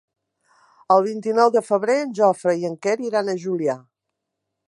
El vint-i-nou de febrer en Jofre i en Quer iran a Juià.